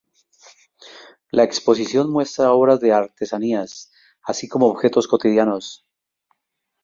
La exposición muestra obras de artesanía, así como objetos cotidianos.